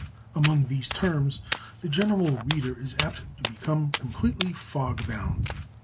Among these terms the general reader is apt to become completely fog bound.